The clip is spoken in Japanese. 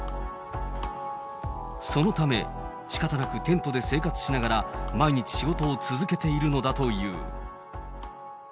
そのため、しかたなくテントで生活しながら、毎日仕事を続けているのだという。